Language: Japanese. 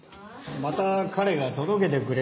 また彼が届けてくれたよ。